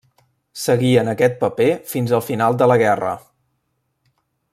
Seguí en aquest paper fins al final de la guerra.